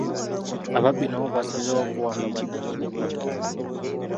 Ababbi nabo basazeewo kuwamba bannannnyini mmotoka.